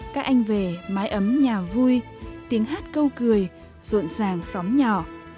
các anh về mái ấm nhà vui tiếng hát câu cười rộn ràng xóm nhỏ